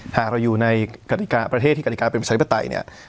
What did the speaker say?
หากเราอยู่ในกฎิกาประเทศที่กฎิกาเป็นประชาธิปไตยเนี่ย